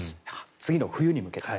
次の冬に向けて。